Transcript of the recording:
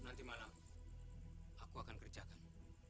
nanti malam aku akan kerjakan